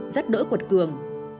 rất đỗi quật cường